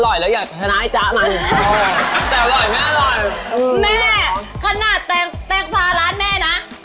อร่อยแม่ขนาดแตงควาร้านแม่นะ